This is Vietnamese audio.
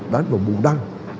đánh vào bù đăng